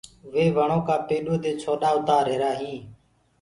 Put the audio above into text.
وي وڻو ڪآ پيڏو دي ڇوڏآ اُتآر رهيرآ هينٚ۔